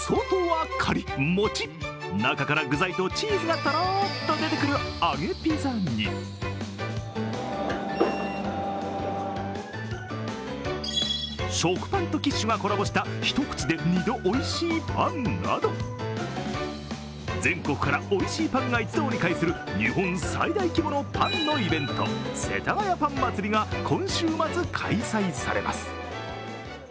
外はカリッモチッ、中から具材とチーズがとろっと出てくる揚げピザに食パンとキッシュがコラボした一口で２度おいしいパンなど全国からおいしいパンが一堂に会する日本最大規模のパンのイベント、世田谷パン祭りが今週末、開催されます。